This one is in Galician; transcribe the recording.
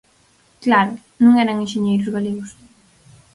Claro, non eran enxeñeiros galegos.